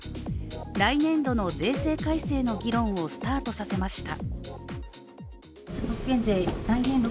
来年度の税制改正の議論をスタートさせました